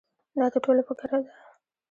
دا د ټولو په ګټه ده.